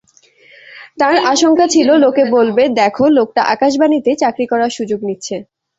তাঁর আশঙ্কা ছিল লোকে বলবে—দ্যাখো, লোকটা আকাশবাণীতে চাকরি করার সুযোগ নিচ্ছে।